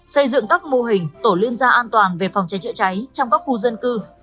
xây dựng các mô hình tổ liên gia an toàn về phòng cháy chữa cháy trong các khu dân cư